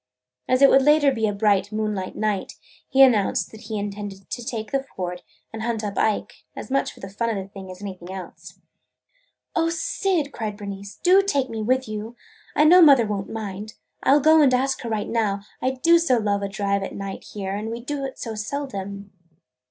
As it would later be a bright moonlight night, he announced that he intended to take the Ford and hunt up Ike, as much for the fun of the thing as anything else. "O Syd!" cried Bernice, "do take me with you! I know mother won't mind. I 'll go and ask her right now. I do so love to drive at night here, and we do it so seldom!"